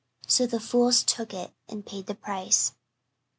So the "fools" took it and paid the price.